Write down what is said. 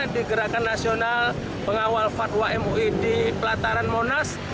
di gerakan nasional pengawal fatwa mui di pelataran monas